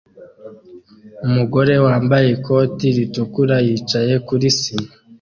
Umugore wambaye ikoti ritukura yicaye kuri sima